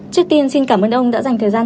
trước tiên xin cảm ơn ông đã dành thời gian